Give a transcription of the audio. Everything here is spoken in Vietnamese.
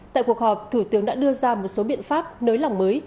tại cuộc họp thủ tướng đã đưa ra một số biện pháp nới lỏng mới